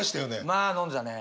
まあ飲んでたね。